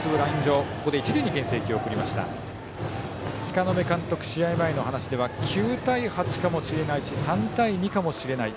柄目監督、試合前の話では９対８かもしれないし３対２かもしれない。